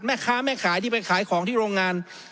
แม่ค้าแม่ขายที่ไปขายของที่โรงงาน